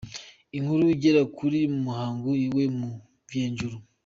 Inkuru igera kuri Muhangu iwe mu Mvejuru.